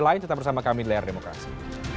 lain tetap bersama kami di layar demokrasi